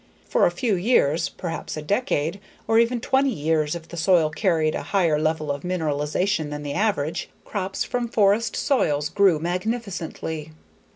For a few years, perhaps a decade, or even twenty years if the soil carried a higher level of mineralization than the average, crops from forest soils grew magnificently.